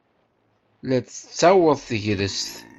La d-tettaweḍ tegrest.